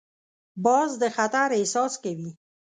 باز د خطر احساس کوي